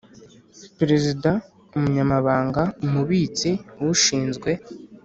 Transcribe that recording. Perezida umunyamabanga umubitsi ushinzwe